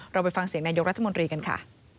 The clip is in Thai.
ไปฟังเสียงนายกรัฐมนตรีกันค่ะ